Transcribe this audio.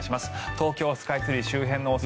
東京スカイツリー周辺のお空